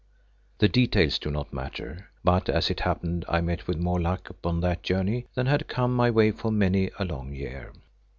The details do not matter, but as it happened I met with more luck upon that journey than had come my way for many a long year.